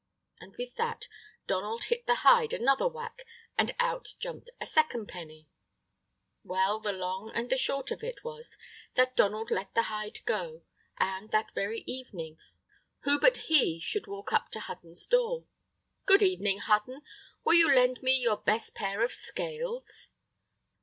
and with that Donald hit the hide another whack, and out jumped a second penny. Well, the long and the short of it was that Donald let the hide go, and, that very evening, who but he should walk up to Hudden's door? "Good evening, Hudden. Will you lend me your best pair of scales?"